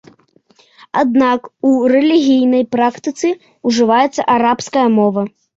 Аднак, у рэлігійнай практыцы ўжываецца арабская мова.